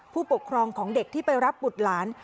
ผู้ปกครองของเด็กที่ไปรับบุตรหลาน